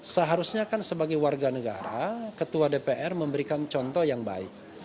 seharusnya kan sebagai warga negara ketua dpr memberikan contoh yang baik